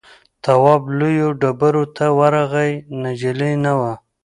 تواب لویو ډبرو ته ورغی نجلۍ نه وه.